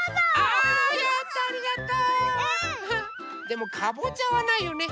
でもかぼちゃはないよね。